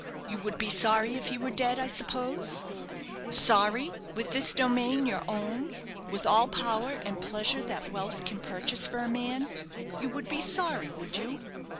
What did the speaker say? "You would be sorry if he were dead, I suppose? Sorry with this domain your own! with all power and pleasure that wealth can purchase for a man! You would be sorry, would you?